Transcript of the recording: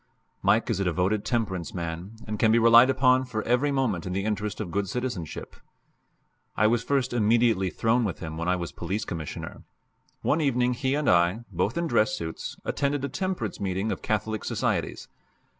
Mike is a devoted temperance man, and can be relied upon for every movement in the interest of good citizenship. I was first intimately thrown with him when I was Police Commissioner. One evening he and I both in dress suits attended a temperance meeting of Catholic societies.